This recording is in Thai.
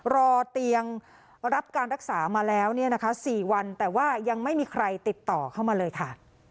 รอเตียงรับการรักษามาแล้วเนี่ยนะคะ๔วันแต่ว่ายังไม่มีใครติดต่อเข้ามาเลยค่ะ